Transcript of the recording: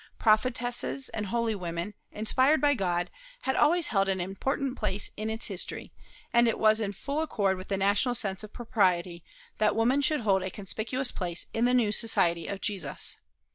Prophetesses and holy women, inspired by God, had always held an important place in its history, and it was in full accord with the national sense of propriety that woman should hold a conspicuous place in the new society of Jesus.